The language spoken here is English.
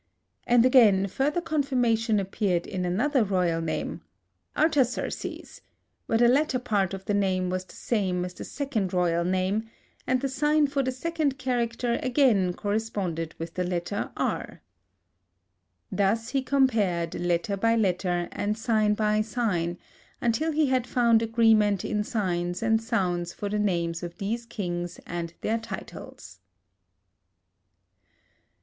And again, further confirmation appeared in another royal name, Artaxerxes, where the latter part of the name was the same as the second royal name, and the sign for the second character again corresponded with the letter R. Thus he compared letter by letter, and sign by sign, until he had found agreement in signs and sound for the names of these kings and their titles.